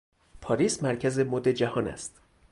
پاریس مرکز مد جهان است.